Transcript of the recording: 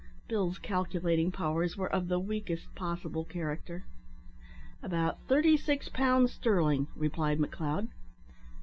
Bill's calculating powers were of the weakest possible character. "About thirty six pounds sterling," replied McLeod.